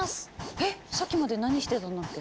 えっさっきまで何してたんだっけ？